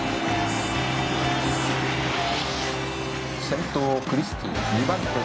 「先頭クリスティ２番手